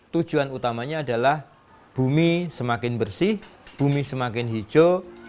tujuan utamanya adalah bumi semakin bersih bumi semakin hijau